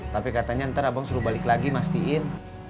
tapi katanya ntar abang suruh balik lagi mastiin